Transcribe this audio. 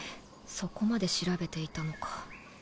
そこまで調べていたのか。